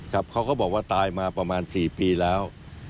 เขาก็บอกว่าตายมาประมาณ๔ปีแล้ว